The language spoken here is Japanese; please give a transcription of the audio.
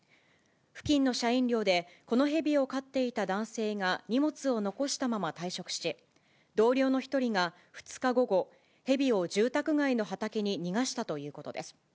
付近の社員寮で、このヘビを飼っていた男性が荷物を残したまま退職し、同僚の１人が２日午後、ヘビを住宅街の畑に逃がしたということです。